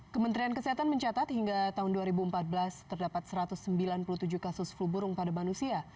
kementerian kesehatan mencatat hingga tahun dua ribu empat belas terdapat satu ratus sembilan puluh tujuh kasus flu burung pada manusia